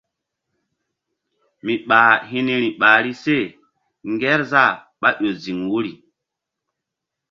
Mi ɓah hi̧ niri ɓahri se Ŋgerzah ɓá ƴo ziŋ wuri.